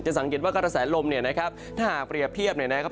สังเกตว่ากระแสลมเนี่ยนะครับถ้าหากเปรียบเทียบเนี่ยนะครับ